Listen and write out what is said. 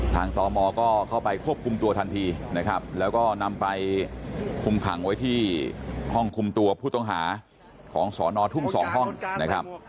ตมก็เข้าไปควบคุมตัวทันทีนะครับแล้วก็นำไปคุมขังไว้ที่ห้องคุมตัวผู้ต้องหาของสอนอทุ่ง๒ห้องนะครับ